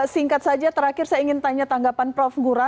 singkat saja terakhir saya ingin tanya tanggapan prof ngura